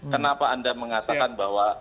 kenapa anda mengatakan bahwa